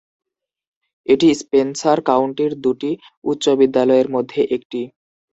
এটি স্পেন্সার কাউন্টির দুটি উচ্চ বিদ্যালয়ের মধ্যে একটি।